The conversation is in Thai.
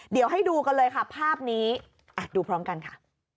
เดี๋ยวให้ดูกันเลยค่ะภาพนี้ดูพร้อมกันค่ะ